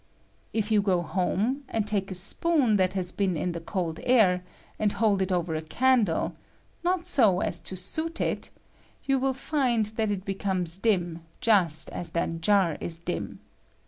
If you go home, and take a spoon that I iias been ia the cold air, and hold it over a I candle — not so as to soot it — you ^111 find that rit becomes dim just as that jar is dim.